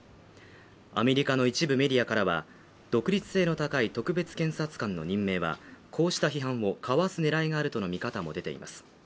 アメリカの一部メディアからは独立性の高い特別検察官の任命はこうした批判をかわす狙いがあるとの見方も出ています